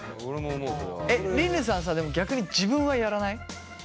えっりぬさんさでも逆に自分はやらない？